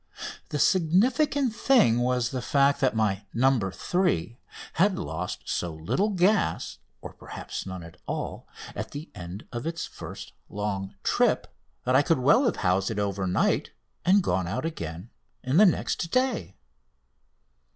The significant thing was the fact that my "No. 3" had lost so little gas (or, perhaps, none at all) at the end of its first long trip that I could well have housed it overnight and gone out again in it the next day.